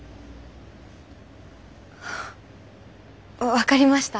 分かりました。